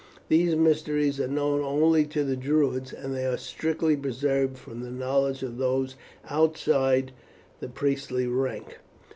These mysteries are known only to the Druids, and they are strictly preserved from the knowledge of those outside the priestly rank."